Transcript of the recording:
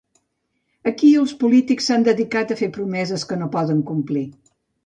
Aquí, els polítics s’han dedicat a fer promeses que no poden complir.